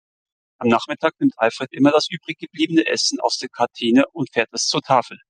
Am Nachmittag nimmt Alfred immer das übrig gebliebene Essen aus der Kantine und fährt es zur Tafel.